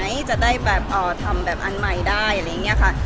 อะไรแต่จะได้แบบทำแบบอันใหม่ได้อะไรแบบนี้ค่ะ